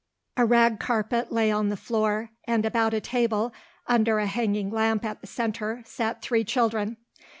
A rag carpet lay on the floor and about a table, under a hanging lamp at the centre, sat three children.